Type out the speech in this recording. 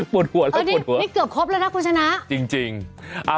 ปวดหัวแล้วปวดหัวจริงนี่เกือบครบแล้วนะคุณชนะ